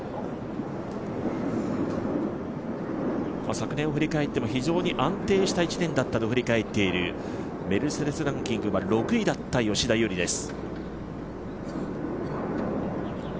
昨年を振り返っても、非常に安定した１年だったと振り返っているメルセデスランキングは６位だった吉田優利です。